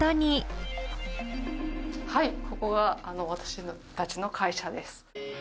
はいここが私たちの会社です。